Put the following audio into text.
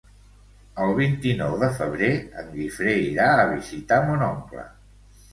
El vint-i-nou de febrer en Guifré irà a visitar mon oncle.